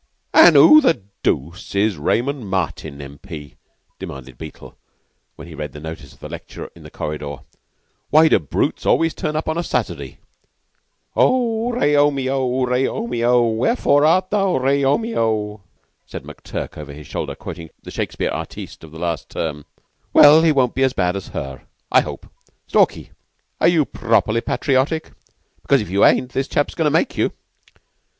"An' who the dooce is this Raymond Martin, M.P.?" demanded Beetle, when he read the notice of the lecture in the corridor. "Why do the brutes always turn up on a Saturday?" "Ouh! Reomeo, Reomeo. Wherefore art thou Reomeo?" said McTurk over his shoulder, quoting the Shakespeare artiste of last term. "Well, he won't be as bad as her, I hope. Stalky, are you properly patriotic? Because if you ain't, this chap's goin' to make you."